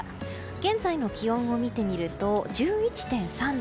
現在の気温を見てみると１１．３度。